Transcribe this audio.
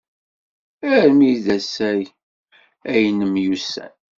Armi d ass-a ay nemyussan.